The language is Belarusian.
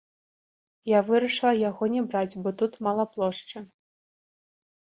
Я вырашыла яго не браць, бо тут мала плошчы.